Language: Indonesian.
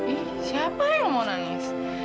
eh siapa yang mau nangis